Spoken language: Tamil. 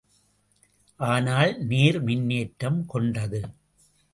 ஆனால் நேர் மின்னேற்றம் கொண்டது.